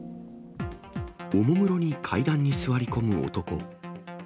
おもむろに階段に座り込む男。